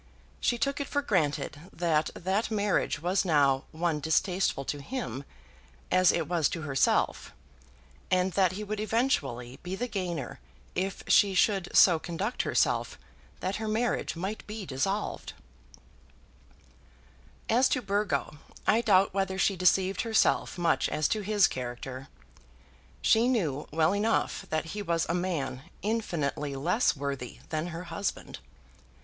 She took it for granted that that marriage was now one distasteful to him, as it was to herself, and that he would eventually be the gainer if she should so conduct herself that her marriage might be dissolved. [Illustration: Lady Glencora.] As to Burgo, I doubt whether she deceived herself much as to his character. She knew well enough that he was a man infinitely less worthy than her husband.